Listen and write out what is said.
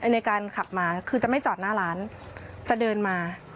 ในการขับมาคือจะไม่จอดหน้าร้านจะเดินมา